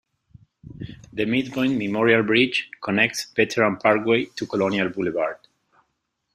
The Midpoint Memorial Bridge connects Veterans Parkway to Colonial Boulevard.